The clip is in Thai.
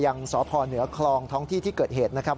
ยังสพเหนือคลองท้องที่ที่เกิดเหตุนะครับ